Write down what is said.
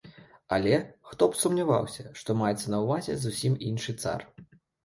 Але, хто б сумняваўся, што маецца на ўвазе зусім іншы цар.